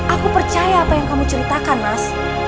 aku percaya apa yang kamu ceritakan mas